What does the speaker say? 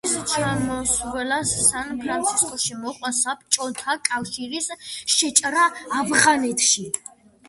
მის ჩამოსვლას სან-ფრანცისკოში მოჰყვა საბჭოთა კავშირის შეჭრა ავღანეთში.